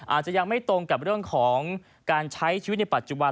อาจจะยังไม่ตรงกับเรื่องของการใช้ชีวิตในปัจจุบัน